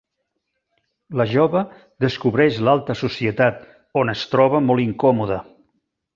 La jove descobreix l'alta societat on es troba molt incòmoda.